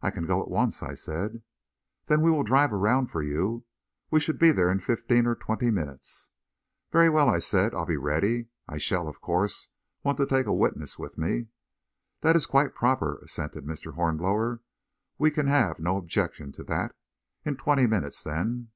"I can go at once," I said. "Then we will drive around for you. We should be there in fifteen or twenty minutes." "Very well," I said, "I'll be ready. I shall, of course, want to take a witness with me." "That is quite proper," assented Mr. Hornblower. "We can have no objection to that. In twenty minutes, then."